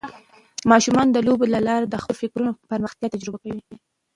ماشومان د لوبو له لارې د خپل فکر پراختیا تجربه کوي.